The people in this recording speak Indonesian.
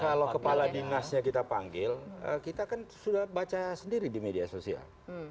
kalau kepala dinasnya kita panggil kita kan sudah baca sendiri di media sosial